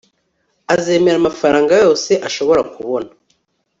azemera amafaranga yose ashobora kubona